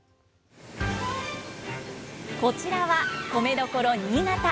こちらは米どころ、新潟。